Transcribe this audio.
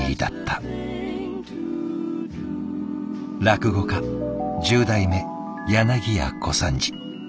落語家十代目柳家小三治。